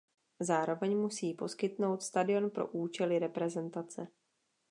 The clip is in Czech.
Zároveň musí poskytnout stadion pro účely reprezentace.